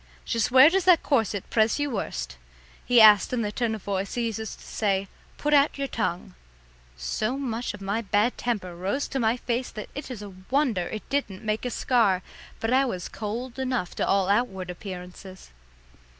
"Just where does that corset press you worst?" he asked in the tone of voice he uses to say "put out your tongue." So much of my bad temper rose to my face that it is a wonder it didn't make a scar; but I was cold enough to all outward appearances.